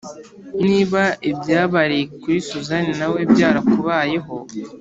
Niba ibyabaye kuri susan nawe byarakubayeho